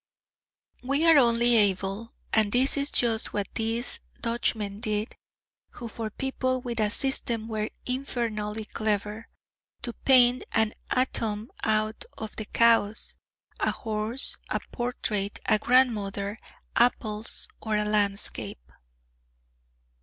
We are only able and this is just what these Dutchmen did, who for people with a system were infernally clever, to paint an atom out of the chaos: a horse, a portrait, a grandmother, apples or a landscape.